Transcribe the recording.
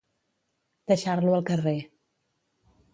Deixar-lo al carrer.